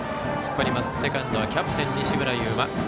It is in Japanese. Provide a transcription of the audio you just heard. セカンドのキャプテン、西村侑真。